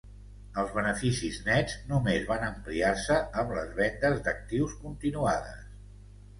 Els beneficis nets només van ampliar-se amb les vendes d'actius continuades.